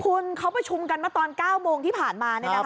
คุณเขาประชุมกันเมื่อตอน๙โมงที่ผ่านมา